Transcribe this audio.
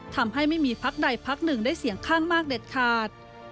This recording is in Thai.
ทำให้ไม่มีพักใดพักหนึ่งได้เสียงข้างมากเด็ดขาด